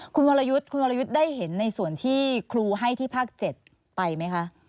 คุณวรรยุทธได้เห็นในส่วนที่ครูให้ที่ภาค๗ไปไหมคะ